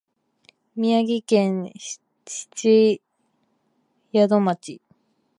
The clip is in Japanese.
宮城県七ヶ宿町